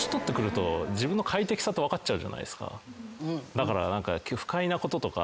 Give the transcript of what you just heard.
だから。